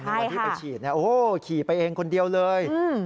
ที่ไปฉีดโอ้โฮขี่ไปเองคนเดียวเลย